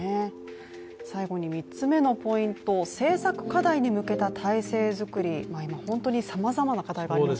最後に３つ目のポイント、政策課題に向けた態勢づくり、今本当にさまざまな課題がありますが。